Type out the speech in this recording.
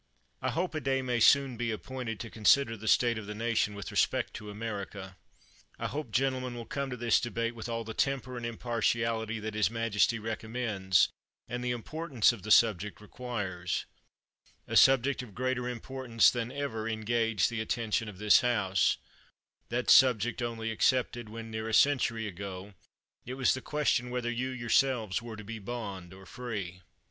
I hope a day may soon be appointed to con sider the state of the nation with respect to America. I hope gentlemen will come to this debate with all the temper and impartiality that his majesty recommends, and the importance of the subject requires; a subject of greater im portance than ever engaged the attention of this House, that subject only excepted, when, near a century ago, it was the question whether you yourselves were to be bond or free.